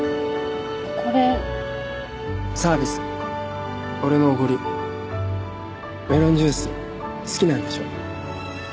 これサービス俺のおごりメロンジュース好きなんでしょ？